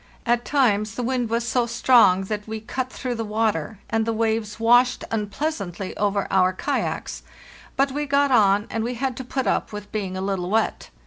At times the wind was so strong that we cut through the water, and the waves washed unpleasantly over our kayaks; but we got on, and we had to put up with being a little wet.